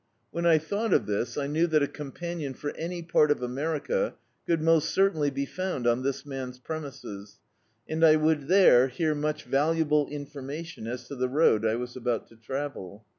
When I thou^t of this, I knew that a companion for any part of America could most certainly be found on this man's premises, and I would there hear much valuable information as to the road I was about to travel.